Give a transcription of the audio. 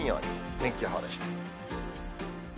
天気予報でした。